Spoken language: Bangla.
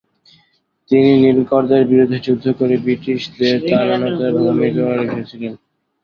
তিনি নীলকরদের বিরুদ্ধে যুদ্ধ করে ব্রিটিশদের তাড়ানোতে ভূমিকা রেখেছিলেন।